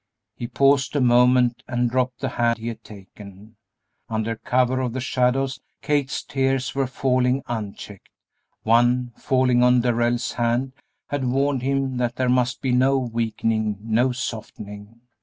He paused a moment and dropped the hand he had taken. Under cover of the shadows Kate's tears were falling unchecked; one, falling on Darrell's hand, had warned him that there must be no weakening, no softening.